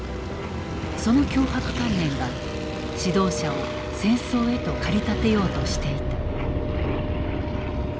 その強迫観念が指導者を戦争へと駆り立てようとしていた。